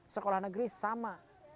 sekolah negeri sama